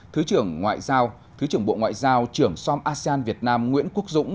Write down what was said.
thứ trưởng ngoại giao thứ trưởng bộ ngoại giao trưởng som asean việt nam nguyễn quốc dũng